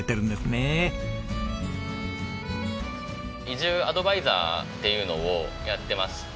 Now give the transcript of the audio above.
移住アドバイザーっていうのをやってまして。